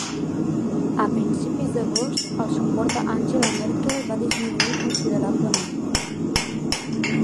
A principis d'agost, el suport a Angela Merkel va disminuir considerablement.